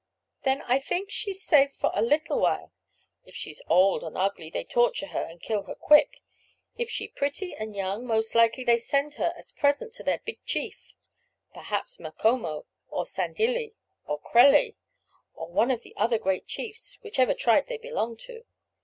"Then I think she's safe for a little while. If she old and ugly they torture her and kill her quick; if she pretty and young, most likely they send her as present to their big chief; perhaps Macomo, or Sandilli, or Kreli, or one of the other great chiefs, whichever tribe they belong to.